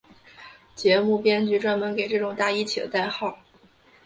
节目编剧专门给这种大衣起了代号。